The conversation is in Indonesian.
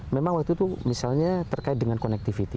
memang waktu itu misalnya terkait dengan connectivity